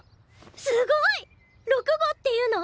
すごい！六号っていうの？